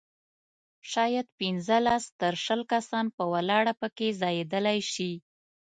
شاید پنځلس تر شل کسان په ولاړه په کې ځایېدلای شي.